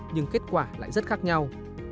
nhưng kết quả lại rất khác nhau